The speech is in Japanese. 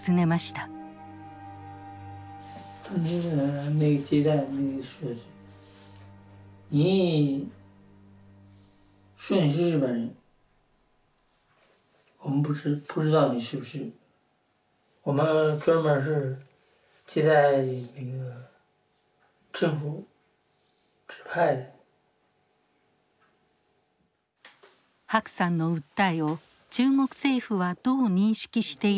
白さんの訴えを中国政府はどう認識しているのか。